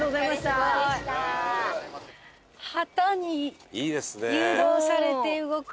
旗に誘導されて動く。